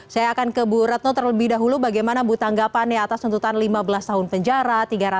saya akan ke bu retno terlebih dahulu bagaimana bu tanggapannya atas tuntutan lima belas tahun penjara